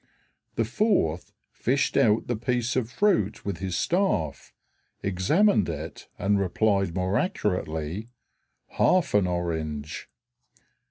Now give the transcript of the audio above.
The fourth fished out the piece of fruit with his staff, examined it, and replied more accurately, "Half an orange."